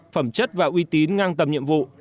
phẩm chất và uy tín ngang tầm nhiệm vụ